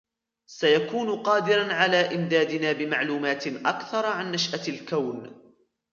سيكون قادرا على إمدادنا بمعلومات أكثر عن نشأة الكون